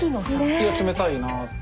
いや冷たいなって。